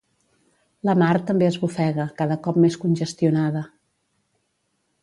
La Mar també esbufega, cada cop més congestionada.